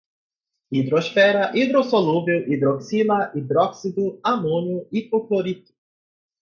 hidrosfera, hidrossolúvel, hidroxila, hidróxido, amônio, hipoclorito